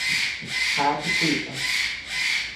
Carapicuíba